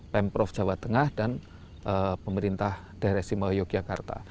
pemprov jawa tengah dan pemerintah daerah istimewa yogyakarta